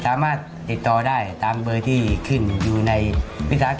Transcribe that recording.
สามารถติดต่อได้ตามเบอร์ที่ขึ้นอยู่ในวิสาก